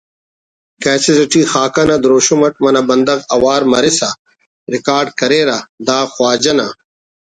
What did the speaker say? کیسٹ اٹی خاکہ نا دروشم اٹ منہ بندغ اوار مرسا ریکارڈ کریرہ دا خواجہ نا